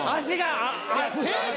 足が。